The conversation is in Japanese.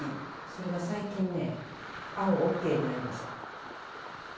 それが最近ね青ＯＫになりました。